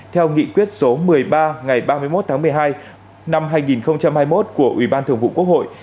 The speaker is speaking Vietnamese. theo nghị quyết số một mươi ba ngày ba mươi một tháng một mươi hai năm hai nghìn hai mươi một của ủy ban thường vụ quốc hội